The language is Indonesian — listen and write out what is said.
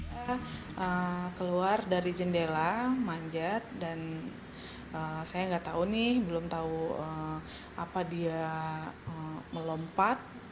saya keluar dari jendela manjat dan saya nggak tahu nih belum tahu apa dia melompat